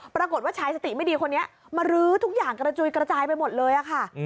ปรากฏว่าชายสติไม่ดีคนนี้มารื้อทุกอย่างกระจุยกระจายไปหมดเลยค่ะ